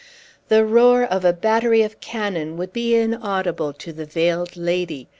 "The roar of a battery of cannon would be inaudible to the Veiled Lady.